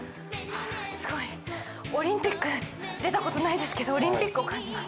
すごいオリンピック出た事ないですけどオリンピックを感じます。